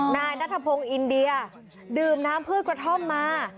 นายนัทพงศ์อินเดียดื่มน้ำพืชกระท่อมมา